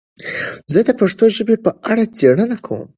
زه د پښتو ژبې په اړه څېړنه کوم.